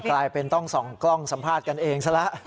กลายเป็นต้องส่องกล้องสัมภาษณ์กันเองซะแล้ว